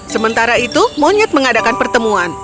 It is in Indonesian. sementara itu monyet mengadakan pertemuan